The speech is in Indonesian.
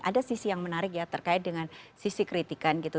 ada sisi yang menarik ya terkait dengan sisi kritikan gitu